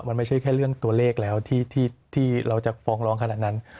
มันไม่ใช่แค่เรื่องตัวเลขแล้วที่เราจะฟ้องร้องขนาดนั้น